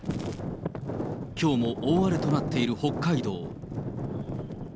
きょうも大荒れとなっている北海道。